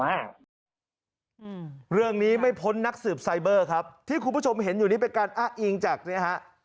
อืมเรื่องนี้ไม่พ้นนักสืบไซเบอร์ครับที่คุณผู้ชมเห็นอยู่นี้เป็นการอ้างอิงจากเนี้ยฮะ